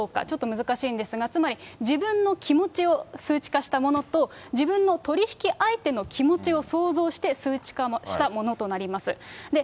ちょっと難しいんですが、つまり、自分の気持ちを数値化したものと、自分の取り引き相手の気持ちを想像して数値化したものとなります。